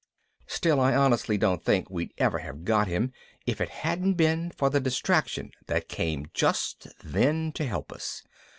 Still, I honestly don't think we'd ever have got to him if it hadn't been for the distraction that came just then to help us.